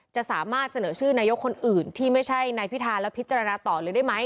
จะสามารถเสนอชื่อนายกคนอื่นที่ไม่ใช่นายพิธาแล้วพิจารณาต่อเลยได้ไหม